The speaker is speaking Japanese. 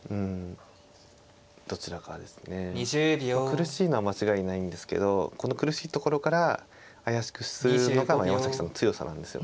苦しいのは間違いないんですけどこの苦しいところから怪しくするのが山崎さんの強さなんです。